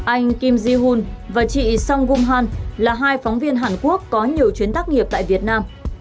anh kim ji hoon và chị sung woong han là hai phóng viên hàn quốc có nhiều chuyến tác nghiệp tại việt nam